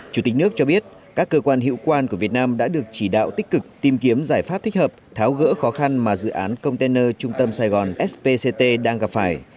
chủ tịch nước cho biết các cơ quan hiệu quan của việt nam đã được chỉ đạo tích cực tìm kiếm giải pháp thích hợp tháo gỡ khó khăn mà dự án container trung tâm sài gòn spct đang gặp phải